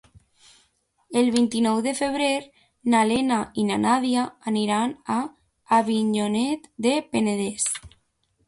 El vint-i-nou de febrer na Lena i na Nàdia aniran a Avinyonet del Penedès.